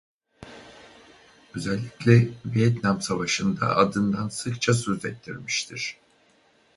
Özellikle Vietnam Savaşı'nda adından sıkça söz ettirmiştir.